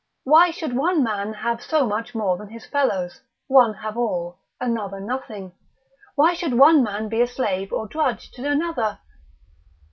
Why should one man have so much more than his fellows, one have all, another nothing? Why should one man be a slave or drudge to another?